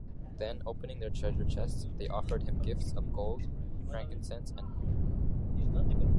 Then, opening their treasure chests, they offered him gifts of gold, frankincense, and myrrh.